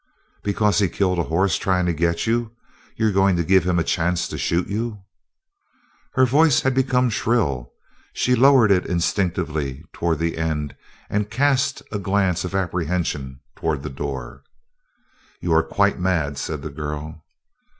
"Because he killed a horse trying to get you, you're going to give him a chance to shoot you?" Her voice had become shrill. She lowered it instinctively toward the end and cast a glance of apprehension toward the door. "You are quite mad," said the girl.